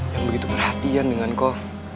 yang begitu perhatian dengan kok